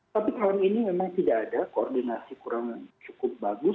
tapi tahun ini memang tidak ada koordinasi kurang cukup bagus